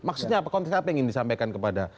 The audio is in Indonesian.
maksudnya apa konteks apa yang ingin disampaikan kepada